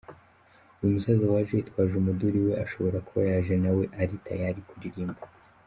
Uyu musaza waje yitwaje umuduri we, ashobora kuba yaje nawe ari tayali kuririmba.